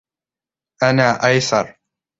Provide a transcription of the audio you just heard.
أنا أيسر.